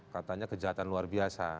katanya kejahatan luar biasa